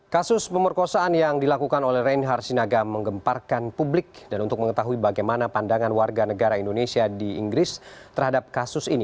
kasus pemerkosaan yang dilakukan oleh reinhard sinaga menggemparkan publik dan untuk mengetahui bagaimana pandangan warga negara indonesia di inggris terhadap kasus ini